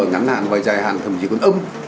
ngắn hạn và dài hạn thậm chí cũng ấm